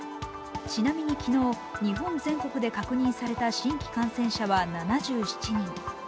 ちなみに昨日、日本全国で確認された新規感染者は７７人。